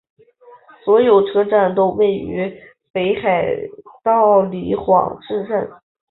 所有车站都位于北海道札幌市内。